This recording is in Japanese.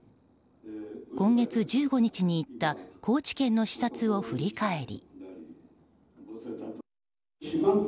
今月１５日に行った高知県の視察を振り返り。